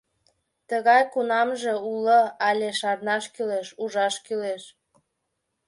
Тыгай «кунамже» уло але Шарнаш кӱлеш, ужаш кӱлеш.